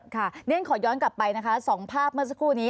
เรียนขอย้อนกลับไปนะคะ๒ภาพเมื่อสักครู่นี้